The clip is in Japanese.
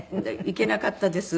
いけなかったです。